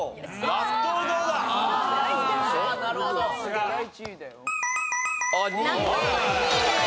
納豆は２位です。